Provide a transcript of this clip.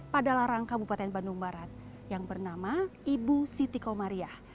padalarang kabupaten bandung barat yang bernama ibu siti komariah